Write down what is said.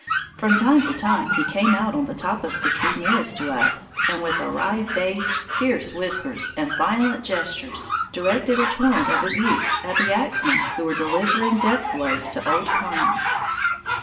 From time to time he came out on the top of the limb nearest to us, and, with a wry face, fierce whiskers, and violent gestures, directed a torrent of abuse at the axemen who were delivering death blows to Old Pine.